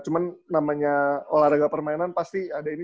cuman namanya olahraga permainan pasti ada ini